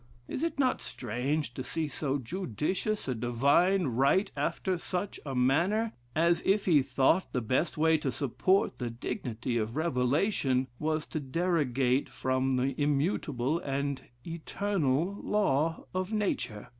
Is it not strange, to see so judicious a divine write after such a manner, as if he thought the best way to support the dignity of revelation, was to derogate from the immutable and eternal law of nature?